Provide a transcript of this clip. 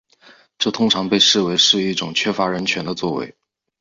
这通常被视为是一种缺乏人权的作为。